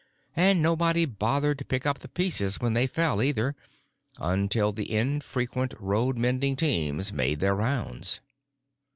And nobody bothered to pick up the pieces when they fell, either, until the infrequent road mending teams made their rounds.